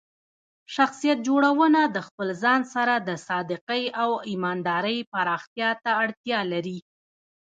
شخصیت جوړونه د خپل ځان سره د صادقۍ او ایماندارۍ پراختیا ته اړتیا لري.